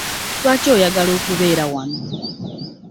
Lwaki oyagala okubeera wano.